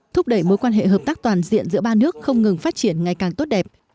thúc đẩy mối quan hệ hợp tác toàn diện giữa ba nước không ngừng phát triển ngày càng tốt đẹp